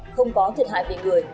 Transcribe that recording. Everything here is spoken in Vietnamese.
không có thiệt hại về người